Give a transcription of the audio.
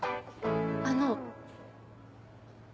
あの。